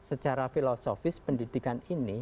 secara filosofis pendidikan ini